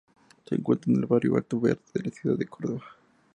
Se encuentra en el barrio Alto Verde de la Ciudad de Córdoba.